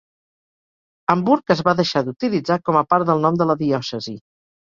Hamburg es va deixar d'utilitzar com a part del nom de la diòcesi.